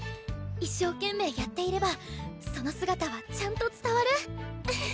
一生懸命やっていればその姿はちゃんと伝わる。